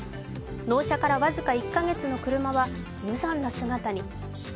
納車からわずか１カ月の車は無残な姿に。